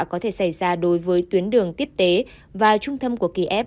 có thể xảy ra đối với tuyến đường tiếp tục